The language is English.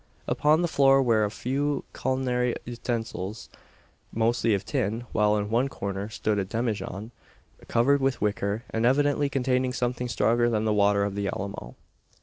Upon the floor were a few culinary utensils, mostly of tin; while in one corner stood a demijohn, covered with wicker, and evidently containing something stronger than the water of the Alamo.